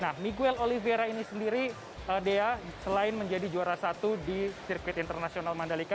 nah miguel olivera ini sendiri dea selain menjadi juara satu di sirkuit internasional mandalika